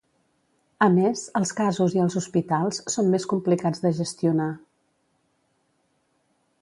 A més, els casos i els hospitals són més complicats de gestionar.